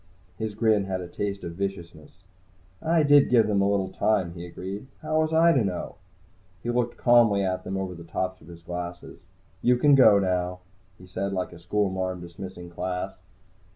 His grin had a taste of viciousness. "I did give them a little time," he agreed. "How was I to know?" He looked calmly at them over the tops of his glasses. "You can go now," he said, like a schoolmarm dismissing class.